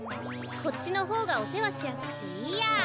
こっちのほうがおせわしやすくていいや。